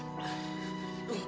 mas raka barteh improve